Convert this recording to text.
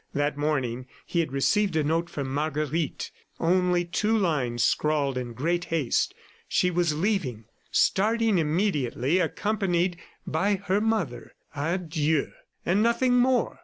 That morning he had received a note from Marguerite only two lines scrawled in great haste. She was leaving, starting immediately, accompanied by her mother. Adieu! ... and nothing more.